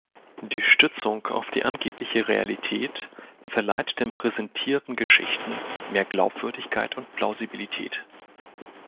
Die Stützung auf die angebliche Realität verleiht den präsentierten Geschichten mehr Glaubwürdigkeit und Plausibilität.